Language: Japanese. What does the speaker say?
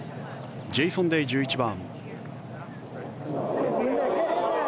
ジェイソン・デイ、１１番。